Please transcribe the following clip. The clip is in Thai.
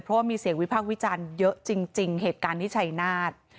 เพราะว่ามีเสียงวิพากษ์วิจารณ์เยอะจริงเหตุการณ์ที่ชัยนาธ